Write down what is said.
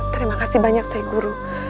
terima kasih banyak saya guru